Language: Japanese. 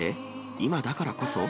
今だからこそ？